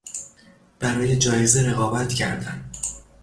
برای جایزه رقابت کردن